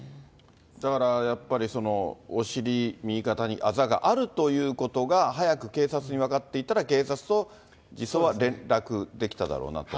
だからやっぱり、お尻、右肩にあざがあるということが、早く警察に分かっていたら、警察と児相は連絡できただろうなと。